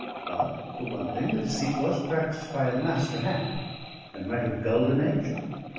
But, for one thing, the deceit was practised by a master hand, and might have gulled an angel.